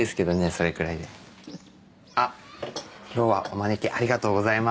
それくらいであっ今日はお招きありがとうございます